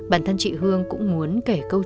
bản thân chị hương cũng muốn kể câu